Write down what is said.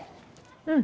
うん。